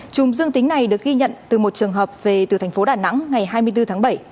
chùm dương tính này được ghi nhận từ một trường hợp về từ thành phố đà nẵng ngày hai mươi bốn tháng bảy